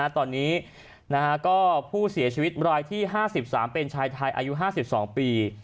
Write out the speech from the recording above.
ตอนนี้ก็ผู้เสียชีวิตรายที่๕๓เป็นชายไทยอายุ๕๒ปี